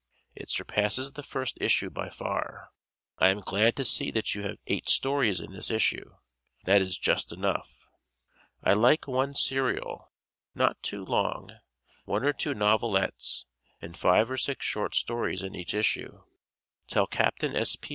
It surpasses the first issue by far. I am glad to see that you have eight stories in this issue. That is just enough. I like one serial (not too long), one or two novelettes, and five or six short stories in each issue. Tell Captain S. P.